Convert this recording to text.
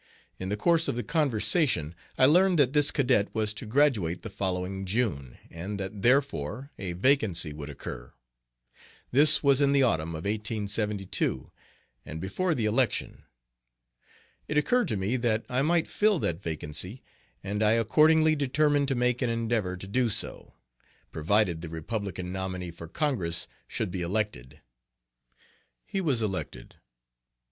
In the course of the conversation I learned that this cadet was to graduate the following June; and that therefore a vacancy would occur. This was in the autumn of 1872, and before the election. It occurred to me that I might fill that vacancy, and I accordingly determined to make an endeavor to do so, provided the Republican nominee for Congress should be elected. He was elected.